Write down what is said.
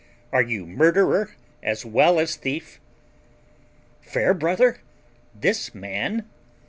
Are you murderer as well as thief?" Fairbrother! this man?